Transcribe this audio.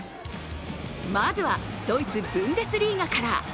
まずはドイツ・ブンデスリーガから。